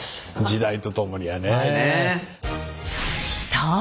そう！